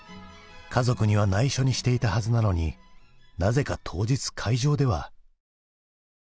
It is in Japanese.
家族にはないしょにしていたはずなのになぜか当日会場では。